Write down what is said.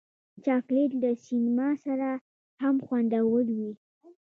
چاکلېټ له سینما سره هم خوندور وي.